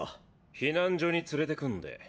避難所に連れてくんで。